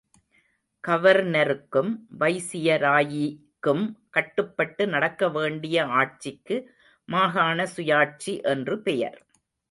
கவர்னருக்கும் வைசியராயிக்கும் கட்டுப்பட்டு நடக்க வேண்டிய ஆட்சிக்கு மாகாண சுயாட்சி என்று பெயர்.